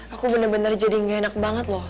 aku bener bener jadi gak enak banget loh